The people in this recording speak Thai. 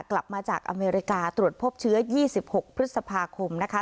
กลับมาจากอเมริกาตรวจพบเชื้อ๒๖พฤษภาคมนะคะ